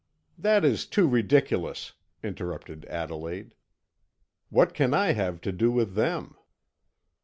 "That is too ridiculous," interrupted Adelaide. "What can I have to do with them?"